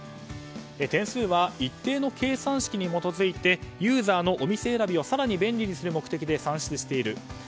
点数は一定の計算式に基づいてユーザーのお店選びを更に便利にする目的で算出している。